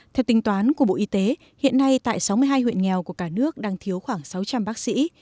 theo tính toán của bộ y tế hiện nay tại sáu mươi hai huyện nghèo của cả nước đang thiếu khoảng sáu trăm linh bác sĩ